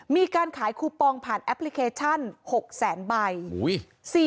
มีการขายคูปองผ่านแอปพลิเคชัน๖แสนใบ